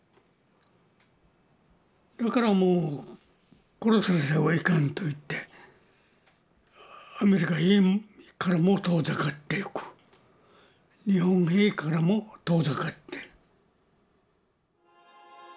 だからもう殺されてはいかんといってアメリカ兵からも遠ざかっていく日本兵からも遠ざかって。